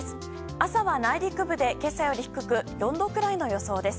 朝は内陸部で今朝より低く４度くらいの予想です。